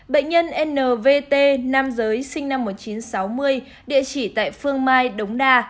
bệnh nhân nvt nam giới sinh năm một nghìn chín trăm sáu mươi địa chỉ tại phương mai đống đa